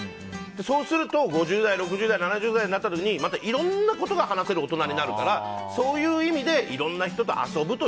そうすると、５０代、６０代７０代になった時にいろんなことが話せる大人になるからそういう意味でいろんな人と遊ぶ。